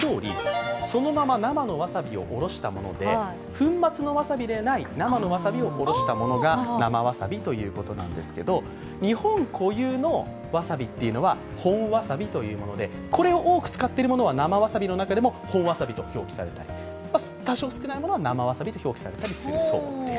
粉末のわさびではない、生のわさびをおろしたものが、生わさびということなんですけど日本固有のわさびっていうのは本わさびというもので、これを多く使っているものは生わさびの中でも本わさびと表記され多少少ないものは生わさびと表記されたりするそうです。